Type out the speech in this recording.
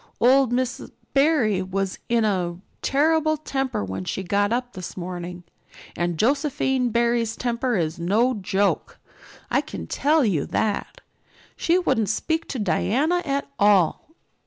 Old Miss Barry was in a terrible temper when she got up this morning and Josephine Barry's temper is no joke, I can tell you that. She wouldn't speak to Diana at all."